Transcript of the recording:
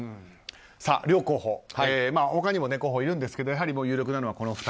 両候補他にも候補はいるんですがやはり有力なのはこの２人。